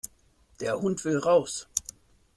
Der Hund will raus.